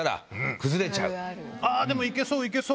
「でも行けそう行けそう！」。